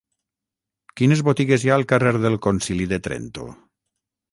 Quines botigues hi ha al carrer del Concili de Trento?